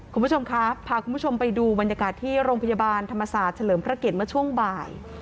คุณผู้ชมครับพาคุณผู้ชมไปดูบรรยากาศที่โรงพยาบาลธรรมศาสตร์เฉลิมพระเกียรติเมื่อช่วงบ่าย